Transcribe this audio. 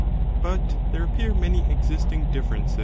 But there appear many existing differences; 2.